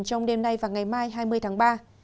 trong đêm nay và ngày mai hai mươi tháng ba